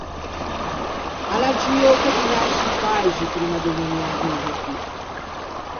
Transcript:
A l’à giou pe diversci paixi primma de vegnî à vive chì.